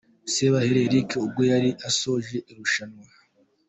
Sebahire Eric ubwo yari asoje irushanwa .